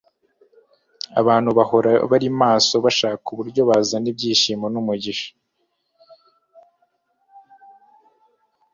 abantu bahora bari maso bashaka uburyo bazana ibyishimo n'umugisha